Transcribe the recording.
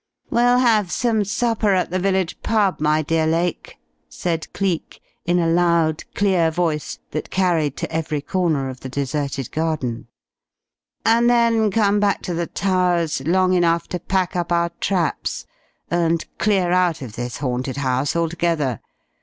"We'll have some supper at the village 'pub,' my dear Lake," said Cleek in a loud, clear voice that carried to every corner of the deserted garden, "and then come back to the Towers long enough to pack up our traps and clear out of this haunted house altogether.